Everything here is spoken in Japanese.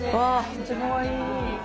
めっちゃかわいい。